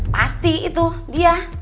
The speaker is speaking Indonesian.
pasti itu dia